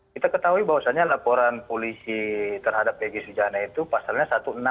kita ketahui bahwasannya laporan polisi terhadap egy sujana itu pasalnya satu ratus enam puluh